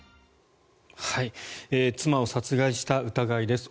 妻を殺害した疑いです。